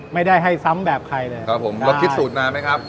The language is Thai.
ไม่ได้ให้ซ้ำแบบใครเลยครับผมเราคิดสูตรนานไหมครับ